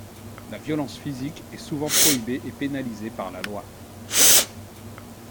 La violence physique est souvent prohibée et pénalisée par la loi.